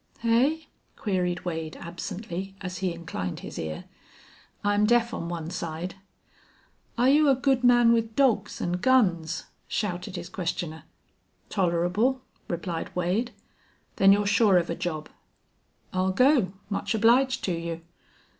"Hey?" queried Wade, absently, as he inclined his ear. "I'm deaf on one side." "Are you a good man with dogs an' guns?" shouted his questioner. "Tolerable," replied Wade. "Then you're sure of a job." "I'll go. Much obliged to you."